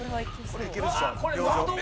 「これいけるっしょ養生」